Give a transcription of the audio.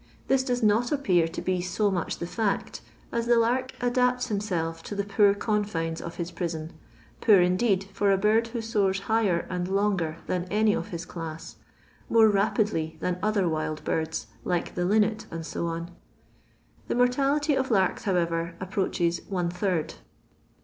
This does not appear to be so much the fact, as the lark adapts himself to the poor confines of his prison — poor indeed for a bird who soars higher and longer than any of his class — more rapidly than other wild birds, like the linnet, ice. The mortality of larks, however, approaches one third.